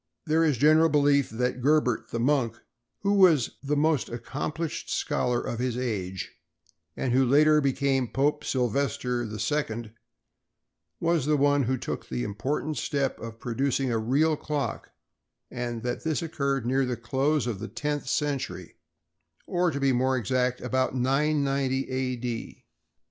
There is a general belief that Gerbert, the monk, who was the most accomplished scholar of his age, and who later became Pope Sylvester II, was the one who first took the important step of producing a real clock, and that this occurred near the close of the tenth century—or to be more exact, about 990 A. D.